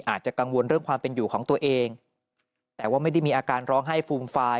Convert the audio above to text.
อาจจะกังวลเรื่องความเป็นอยู่ของตัวเองแต่ว่าไม่ได้มีอาการร้องไห้ฟูมฟาย